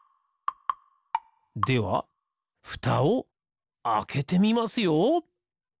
ではふたをあけてみますよ！